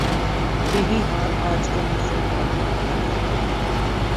یہی حال آج کا مسلمان ممالک کا ہونا